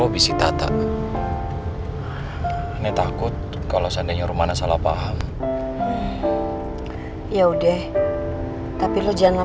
obisita tak ini takut kalau seandainya rumana salah paham ya udah tapi lu jangan